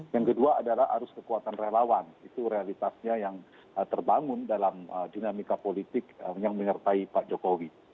yang kedua adalah arus kekuatan relawan itu realitasnya yang terbangun dalam dinamika politik yang menyertai pak jokowi